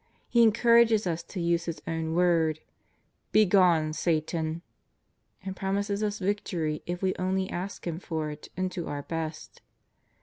He encourages us to use His o^vn word :" Begone, Satan !" and promises us victory if we only ask Him for it and do our best.